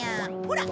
ほら！